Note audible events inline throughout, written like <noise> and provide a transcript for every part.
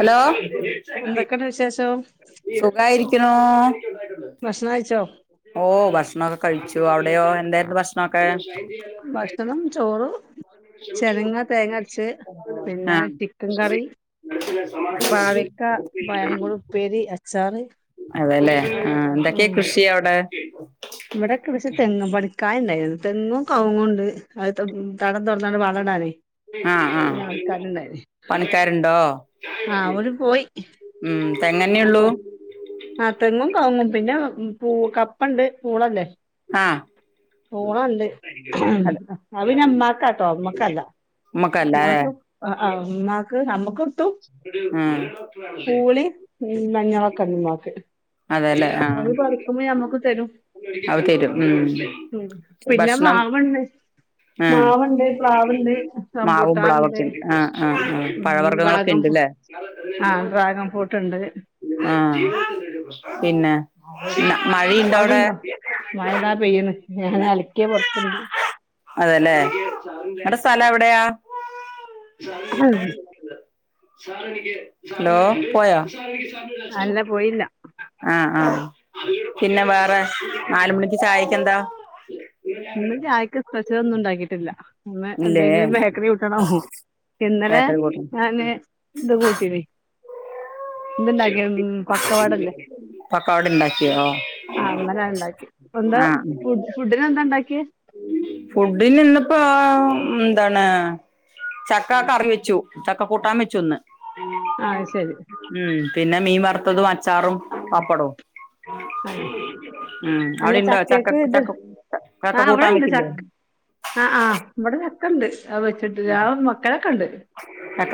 Hello എന്തൊക്കെണ്ട് വിശേഷം സുഖായിരിക്ക്‌ണോ? ഭഷണം കഴിച്ചോ? ഓ ഭക്ഷണൊക്കെ കഴിച്ചു അവിടെയോ എന്തായിരുന്നു ഭക്ഷണൊക്കെ? ഭക്ഷണം ചോറും ചെരങ്ങ തേങ്ങ അരച്ച്, പിന്നെ ആ ചിക്കൻ കറി. പാവയ്ക്ക വയനങ്ങളും ഉപ്പേരി അച്ചാറ്. അതല്ലേ ആ എന്തൊക്കെ ഉം കൃഷി അവിടെ? ഇവിടെ കൃഷി തെങ്ങും പടിക്ക കായ ഉണ്ടായിന് തെങ്ങും കവുങ്ങും ഉണ്ട് അത് തടം തോറന്നാണ്ട് വളം ഇടാനേ. ഹ ആ പണിക്കാരുണ്ടോ? ആ അവര് പോയി. അപ്പൊ തെങ്ങന്നെള്ളൂ? ആ തെങ്ങും കവ്ങ്ങും പിന്നെ പൂ കപ്പണ്ട് പൂളല്ലേ. ആ പൂളണ്ട്. അതെ അത് പിന്നെ ഉമ്മാക്കാട്ടോ അമ്മക്കല്ല. ഉമ്മക്കല്ല അല്ലേ ഉമ്മാക്ക് ആ ഉമ്മാക്ക് നമ്മുക്കിട്ടും ഉം പൂളീം ഉം മഞ്ഞളൊക്കെണ്ട് ഉമ്മാക്ക് അതെല്ലേ ഓല് പറിക്കുമ്മം ഞമ്മക്ക് തരും. അത് തരും ഉം ഉം പിന്നെ ഭക്ഷണം. മാവ്ണ്ട് ആ മാവ്ണ്ട് പ്ലാവ്ണ്ട് മാവും റംബൂട്ടാൻണ്ട് പ്ളാവൊക്കെണ്ട് ആ ആ ആ് ഉം ഡ്രാഗൺ പഴവർഗ്ഗങ്ങളൊക്കെണ്ട് ഫു ല്ലേ ആ ഡ്രാഗൺ ഫ്രൂട്ട്ണ്ട് ആ. പിന്നെ ന്ന മഴയിണ്ടോ അവിടെ? മഴ താ പെയ്യണ് ഞാൻ അലിക്കിയ പൊർത്ത്ണ്ട്. അതെല്ലേ നിങ്ങളുടെ സ്ഥലം എവിടെയാ? ഉം. ഹലോ പോയോ? അല്ല പോയില്ല. ആ ആ പിന്നെ വേറെ നാലുമണിക്ക് ചായക്ക് എന്താ? ഇന്ന് ചായക്ക് സ്പെഷ്യൽ ഒന്നും ഉണ്ടാക്കിട്ടില്ല ഇന്ന് ഇല്ലേ എന്തെങ്കിലും ബേക്കറി <unintelligible> ഇന്നലെ ബേക്കറി കൂട്ടും ഞാന് ഇത് കൂട്ടിയെടി. ഇതുണ്ടാക്കി ഉം പക്കവടല്ലേ പക്കവട ഉണ്ടാക്കിയോ ആ ഇന്നലെ അതണ്ടാക്കി. ഇന്ന് ആ ഫുഡ് ഫുഡിനെന്താ ണ്ടാക്കിയേ? ഫുഡിന് ഇന്ന്പ്പോ ന്താണ് ചക്ക കറി വെച്ചു ചക്ക കൂട്ടാൻ വെച്ചു ഇന്ന്. ആ അത് ശരി ഉം പിന്നെ മീൻ വറുത്തതും അച്ചാറും പപ്പടവും. ആ ഉം അല്ല അവിടെ ഇണ്ടോ ചക്ക ചക്കക്ക് ഇത് ചക്ക ചക്ക കൂട്ടാൻ വെച്ചില്ലേ ആഹ് ആഹ് ഇവിടെ ചക്കണ്ട് അത് വെച്ചിട്ട് ആ മക്കളൊക്കെ ഉണ്ട് <unintelligible>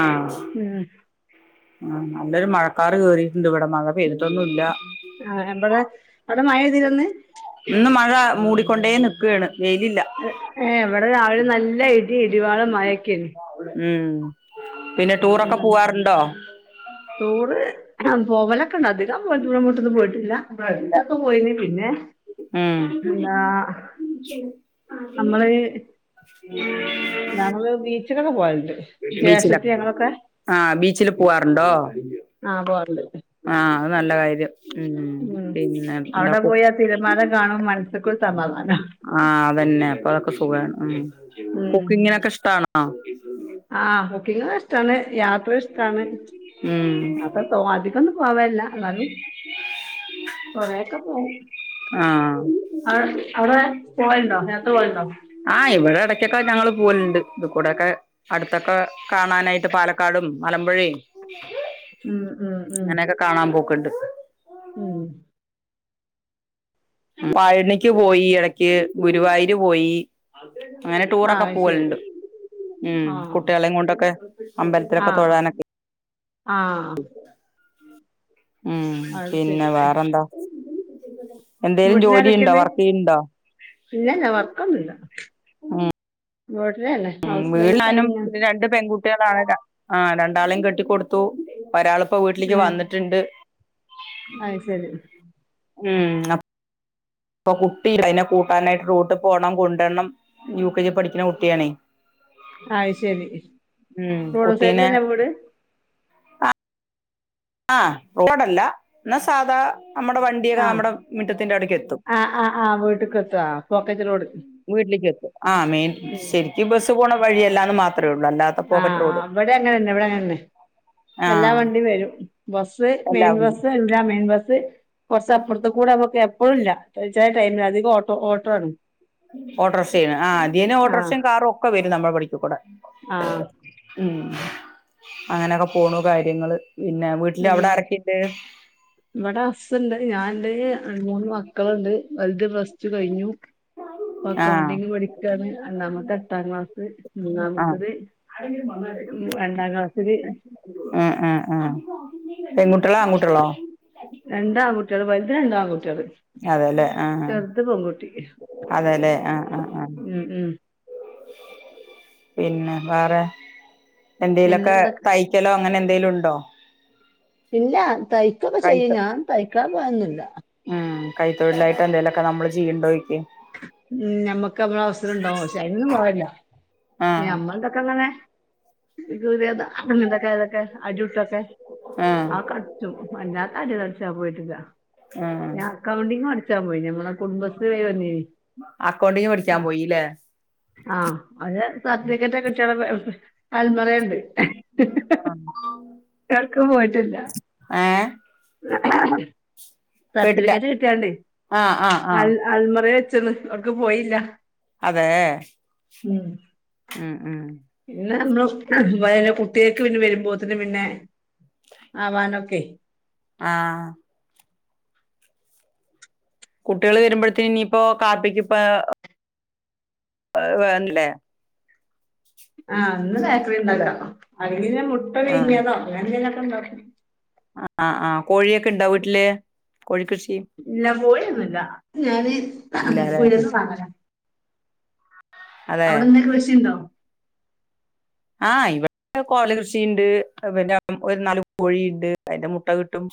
ആഹ് ഉം ആ നല്ലൊരു മഴക്കാറ് കേറിയിട്ടുണ്ട് ഇവിടെ മഴ പെയ്തിട്ടൊന്നും ഇല്ല അതിലൊന്ന് ഇന്ന് മഴ മൂടിക്കൊണ്ടേ നിക്കുകയാണ് ഏ എവിടെ രാവിലെ നല്ല ഇടി ഇടിവാളും മഴെക്കയാണ് ഉം പിന്നെ ടൂറൊക്കെ പോവാറുണ്ടോ ടൂർ പോവലൊക്കെണ്ട് അധികം ദൂരെങ്ങോട്ടും പോയിട്ടില്ല <unintelligible> പോയിന് പിന്നെ ഉം എന്താ നമ്മള് ഉം ഞങ്ങള് ബീച്ചിലൊക്കെ പോയണ്ട് ജ്യേഷ്ടത്തി ബീച്ചിലൊക്കെ ഞങ്ങളൊക്കെ ആഹ് ബീച്ചില് പോവാറുണ്ടോ ആഹ് പോവാറുണ്ട് ആഹ് അത് നല്ല കാര്യം ഉം പിന്നെ എന്താ അവിടെ കു പോയാ തിരമാല കാണും മനസൊക്കെ സമാധാന ആഹ് അതന്നെ അപ്പ അതൊക്കെ സുഖമാണ് ഉം കുക്കിങ്ങിനൊക്കെ ഇഷ്ടാണോ ആഹ് കുക്കിങ് ഇഷ്ടാണ് യാത്ര ഇഷ്ടാണ് ഉം അത്ര <unintelligible> പോവല്ല എന്നാലും കൊറേക്ക പോകും ആഹ് അവിടെ പോവലുണ്ടോ യാത്ര പോവലുണ്ടോ? ആഹ് ഇവിടെ ഇടക്കൊക്കെ ഞങ്ങള് പോവലുണ്ട് ഇത് കൂടൊക്കെ അടുത്തൊക്കെ കാണാനായിട്ട് പാലക്കാടും മലമ്പുഴയും ഉം ഉം ഉം അങ്ങനെയൊക്കെ കാണാൻ പോക്കണ്ട് ഉം പഴനിക്ക് പോയി ഇടക്ക് ഗുരുവായൂര് പോയി അങ്ങനെ ആ ടൂറൊക്കെ അത് ശരി പോവലുണ്ട് ഉം ആ കുട്ടികളെയും കൊണ്ടൊക്കെ ആ അമ്പലത്തിലൊക്കെ തൊഴാനൊക്കെ ആ ഉം അത് ശരി പിന്നെ വേറെന്താ എന്തേലും ജോലിയുണ്ടോ വീട്ടിലാരൊക്കെയുണ്ട് വർക്ക് ചെയ്യണുണ്ടോ ഇല്ലല്ല വർക്കൊന്നുമില്ല ഉം <unintelligible> ഉം ഹൗസ് വീട് വൈഫ് ഞാനും ഇങ്ങനെ രണ്ട് പെൺകുട്ടികളാണ് ആ രണ്ടാളേം കെട്ടിക്കൊടുത്തു ഒരാളിപ്പോ വീട്ടിലേക്ക് ഏ വന്നിട്ടുണ്ട് അത് ശരി ഉം അഹ് ഇപ്പൊ കുട്ടി അതിനെ കൂട്ടാനായിട്ട് റൂട്ടിൽ പോകണം കൊണ്ടുവരണം യു കെ ജി പഠിക്കുന്ന കുട്ടിയാണേ അയിശെരി റോഡ് സൈഡിൽ അല്ലേ വീട് ആഹ് ആഹ് റോഡല്ല എന്നാ സാധാ നമ്മുടെ വണ്ടിയൊക്കെ ആ നമ്മുടെ മുറ്റത്തിന്റെ അവിടക്ക് എത്തും ആ ആ ആ വീട്ടിക്ക് എത്തുക പോക്കറ്റ് റോഡ് വീട്ടിലേക്ക് എത്തും ആ മെയിൻ ഉം. ശരിക്ക് ബസ്സ് പോണ വഴിയല്ലാന്ന് മാത്രം ആഹ് ആ ഇവിടെ അങ്ങനന്നെ ഇവിടെ അങ്ങനന്നെ ആ എല്ലാ വണ്ടിം വെരും ബസ്സ് എല്ലാ മെയിൻ വണ്ടിയും ബസ് എല്ലാ മെയിൻ ബസ് കൊറച്ചപ്പുറത്ത് കൂട നമ്മക്ക് എപ്പഴുല്ല ഒരുച്ചായി ടൈമിൽ അധികം ഓട്ടോ ഓട്ടോ ആണ് ഓട്രിഷ ആണ് അധീനം ഓഡ്രറക്ഷയും കാറൊക്കെവെരും നമ്മൾ പഠിക്കകൂടെ ആഹ് അങ്ങനെയൊക്കെ പോണു കാര്യങ്ങള് പിന്നെ വീട്ടില് ഉം അവിടെ ആരക്കിണ്ട് ഇവിടെ ഹസ്സുണ്ട് ഞാൻന്റെ മൂന്ന് മക്കളുണ്ട് വലുത് പ്ലസ്ടു കഴിഞ്ഞു അപ്പൊ ആ അക്കൗണ്ടിങ് പഠിക്കാണ് രണ്ടാമത്തെ എട്ടാം ക്ലാസ് മൂന്നാമത്തത് ഉം രണ്ടാം ക്ലാസ്സില് ആഹ് ആഹ് ആ പെൺകുട്ടികളാ ആൺകുട്ടികളാ രണ്ടാ ആൺകുട്ടികൾ പോയ വെറുതെ രണ്ടാ അതെല്ലേ ആഹ് പെൺകുട്ടി അതെല്ലെ ആഹ് ആഹ് ആ ഉം ഉം പിന്നെ വേറെ എന്തേലൊക്കെ പിന്നെന്തൊക്കെ തയ്ക്കലോ അങ്ങനെ എന്തേലുണ്ടോ ഇല്ല തയ്ക്കക്ക ചെയ്യും ഞാൻ തയ്ക്കാൻ പോയന്നില്ല ഉം കൈ തൊഴിലായിട്ട് എന്തേലൊക്കെ നമ്മള് ചെയ്യണ്ടോയ്ക്ക് ഉം ഞമ്മക്ക് ന ആഹ് അമ്മ എന്തൊക്കെ അങ്ങനെ അങ്ങെന്തൊക്കെ ഇതൊക്കെ അടിട്ടക്കെ ആഹ് ആ കളിച്ചും അഞ്ഞാത്തല് കളിച്ചാ പോയിട്ടതാ ആഹ് ഞാൻ അക്കൗണ്ടിങ്ങ് പടിച്ചാൻ പോയി ഞമ്മളെ കുടുംബശ്രീ ക വന്നീന് അക്കൗണ്ടിന്ന് പഠിച്ചാൻ പോയില്ലേ സർട്ടിഫിക്കേറ്റ് കുട്ടികള അൽമറയണ്ട് ഉ ആഹ് എട്ക്കും പോയിട്ടില്ല കേട്ടില്ല സർട്ടിഫിക്കേറ്റ് കിട്ടിയാണ്ട് ആഹ് ആഹ് അ ആഹ് അൽമറ വെ അവർക്ക് പോയില്ല അതെ ഉം ഉം പിന്ന നമ്മളൊക്കെ കുട്ടികൾക്ക് പിന്നെ വരുമ്പോത്തേന് പിന്നെ ആവാനൊക്കെ ആഹ് കുട്ടികൾ വരുമ്പോഴ്ത്തേന് ഇനിയിപ്പോ കാപ്പിക്ക് ഇപ്പ വന്നില്ലേ ആഹ് അന്ന് ബേക്കറി ഹലോ ഇണ്ടാക്കാം അല്ലകിൽ ഞാൻ മുട്ട പുഴുങ്ങിയതോ അങ്ങനെന്തെങ്കിലൊക്കെ ഇണ്ടാക്കും ആ ആ് കോഴിയൊക്കെ ഇണ്ടാവോ വീട്ടില് കോഴിക്കൃഷി ഇല്ല പോയൊന്നുല്ല ഞാന് ഇല്ലാല്ലേ പുരുന്ന സാധന അതെ അവിടെന്നാ കൃഷിയുണ്ടോ ആഹ് ഇവ കോല കൃഷിയണ്ട് പിന്നെ ഒരു നാല് കോഴിയുണ്ട് അതിന്റെ മുട്ട കിട്ടും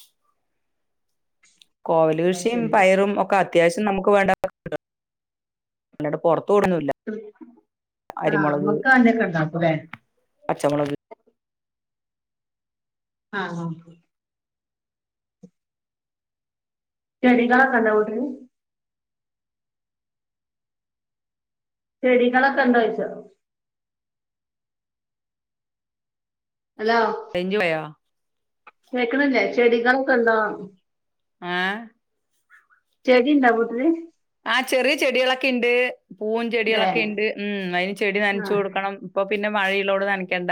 കോവല് അത് കൃഷിയും ശരി പയറും ഒക്കെ അത്യാവശ്യം നമുക്ക് വേണ്ട കിട്ടും അല്ലാഠ പൊറത്ത് തോടുന്നുല്ല ആ അരിമുളക് മക്ക അതിനൊക്കെ ഉണ്ടാക്കൂല്ലേ പച്ചമുളക് ആഹ് ആ ചെറിയ കാക്കന്റ വീട്ടില് ചെടികളൊക്കെ ഇണ്ടോഴിച്ചോ <unintelligible> കേക്കണില്ലേ ചെടികളൊക്കെണ്ടോ ആ ചെടിണ്ടാ വീട്ടില് ആ ചെറിയ ചെടികളൊക്കെ ഇണ്ട്. പൂവും ഏ ചെടികളൊക്കെ ഇണ്ട്. ഉം അതിന് ചെടി നനച്ചു കൊടുക്കണം ഇപ്പൊ. പിന്നെ മഴയിലോട് നനക്കേണ്ട.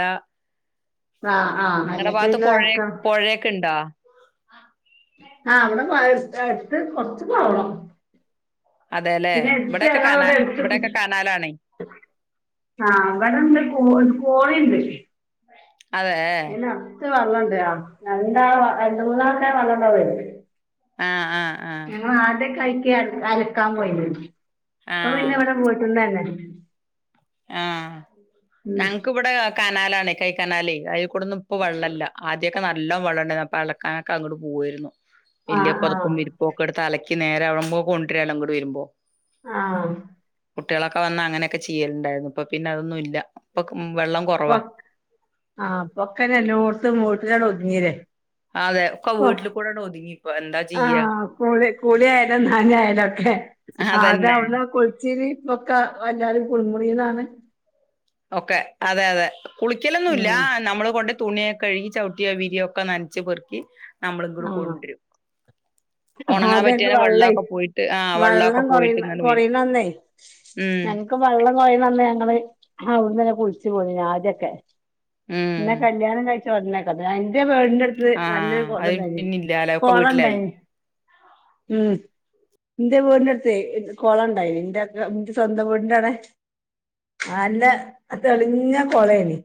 ആ ആ ആ നിങ്ങളടെ അല്ലെങ്കിൽ ഭാഗത്ത് പിന്നെ പുഴയ നടക്കാം പൊഴേക്ക ഇണ്ടാ? ആ അവിടെ <unintelligible> കൊറച്ച് പോണം. അതെ അല്ലേ പിന്നെ എടുത്ത് ഇവിടെയൊക്കെ ആ കനാ അവിടെ ഇവിടെയൊക്കെ എടുത്ത് കനാലാണേ ആഹ <unintelligible> കോ കോഴിണ്ട്. അതെ നടത്ത് വെള്ളണ്ട ആ ആ <unintelligible> ആ അത് <unintelligible> <unintelligible> പോയി ആ അപ്പ പിന്നെ അവിടെ പോയിട്ടുണ്ട വന്നെ. ആഹ ഉം ഞങ്ങക്കിവിടെ കനാലാണ് കൈ കനാല് അ <unintelligible> ടെന്നുപ്പോ വെള്ളല്ല. ആദ്യക്കെ നല്ല വെള്ളണ്ടായിരുന്നു അപ്പോ അലക്കാനൊക്കെ അങ്ങോട്ട് പോവോയിരുന്നു. ഇല്ല ആഹ് ആഹ് പൊതൊപ്പും വിരിപ്പൊക്കെ എടുത്ത് അലക്കി നേരാ വ്മ്പ കൊണ്ടുരാ ഇങ്ങടുവരുമ്പോ. ആഹ കുട്ടികളൊക്കെ വന്ന അങ്ങനെയൊക്കെ ചെയ്യലുണ്ടായിരുന്നു. ഇപ്പ പിന്ന അതൊന്നും ഇല്ല. ഇപ്പൊ ഉം വെള്ളം പ്പോ കുറവാ ആ പ്പൊ ക്കെ ങ്ങനെ <unintelligible> ഒതുങ്ങീലെ. അതെ ഒക്ക വീട്ടില് കൂടെ ഒതുങ്ങിക്കു എന്താ ചെയ്യ. ആഹ് കുളി കുളി ആയാലും നന ആയാലും ഒക്കെ. ആ അതന്നെ ആദ്യവ്ട്ന്നാ കുളിച്ചീനി ഇപ്പോക്കെ എല്ലാരും കുൾമുറീന്നാണ് ഒക്കെ അതെ അതെ കുളിക്കലൊന്നുല്ല ഉം നമ്മൾ കൊണ്ട് തുണിയൊക്കെ കഴുകി, ചവിട്ടിയ വിരിയ ഒക്കെ നനച്ച് പെറുക്കി നമ്മളി ഇങ്ങോട് കൊണ്ടുവരും. ആ ഉണങ്ങാൻ അതെ പറ്റിയ വള്ളേ വെള്ളമൊക്കെ പോയിട്ട് ആ വെള്ളമൊക്കെ വള്ളം കൊറീ പോയിട്ട് ഇങ്ങനെ വരും കൊറിന്നനെ ഉം ഞങ്ങക്ക് വള്ളം വരിണന്ന് ഞങ്ങള് അവട്ന്നാ കുളിച്ചു പോരും ആദ്യൊക്കെ. ന്നെ ഉം കല്യാണം കഴിച്ച ഉടനെക്കെ എന്റെ വീടിന്റട്ത്ത് നല്ലൊരു ആഹ് അത് കൊളംണ്ടായിനി, പിന്നില്ലാലോ ഒക്കെ കൊളം വീട്ടിലായി ഇണ്ടായിനി. മ്മ്ഹ് ന്റെ വീടിന്റെ അടുത്ത് കൊളം ഉണ്ടായിനി. ന്റെ ഒക്ക ന്റെ സ്വന്തം വീടിന്റണെ. <unintelligible> തെളിഞ്ഞ കോളേനി.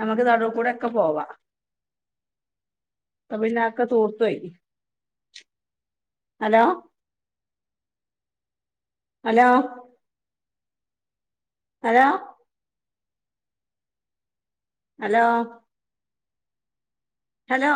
നമുക്ക് നടൂകുടൊക്കെ ഒക്കെ പോവാ. അ പിന്നെതൊക്കെ തൂർതോയി. Hello hello hello hello hello